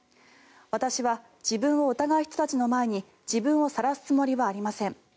私は自分を疑う人たちの前に自分をさらすつもりはありません。